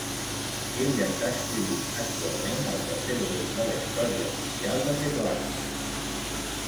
Ell està escrivint actualment el tercer volum de la història oficial de "The Guardian".